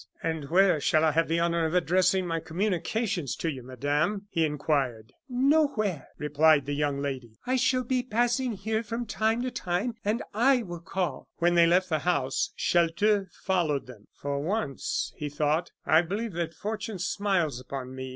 "And where shall I have the honor of addressing my communications to you, Madame?" he inquired. "Nowhere," replied the young lady. "I shall be passing here from time to time, and I will call." When they left the house, Chelteux followed them. "For once," he thought, "I believe that fortune smiles upon me."